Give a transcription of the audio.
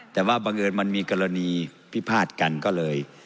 แต่ว่าบังเอิญมันมีกรณีพิพาทกันก็เลย